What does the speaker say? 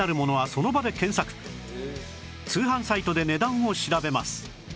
通販サイトで値段を調べます